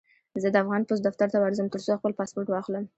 زه د افغان پوسټ دفتر ته ورځم، ترڅو خپل پاسپورټ واخلم.